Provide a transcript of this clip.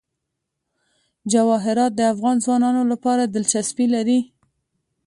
جواهرات د افغان ځوانانو لپاره دلچسپي لري.